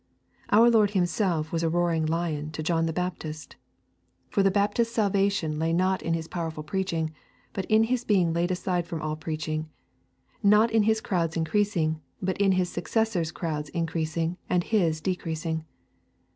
Our Lord Himself was a roaring lion to John the Baptist. For the Baptist's salvation lay not in his powerful preaching, but in his being laid aside from all preaching; not in his crowds increasing, but in his Successor's crowds increasing and his decreasing.